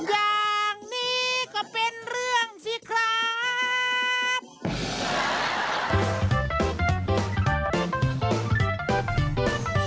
อย่างนี้ก็เป็นเรื่องสิครับ